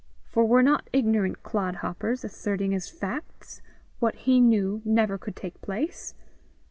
For were not ignorant clodhoppers asserting as facts what he knew never could take place!